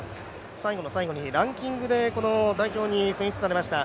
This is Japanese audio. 最後の最後にランキングで代表に選出されました。